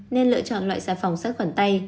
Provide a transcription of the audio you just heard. nên lựa chọn loại xà phòng sắt khoản tay